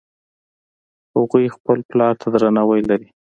هغوی خپل پلار ته درناوی لري